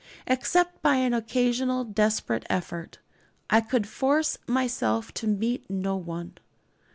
Except by an occasional desperate effort, I could force myself to meet no one.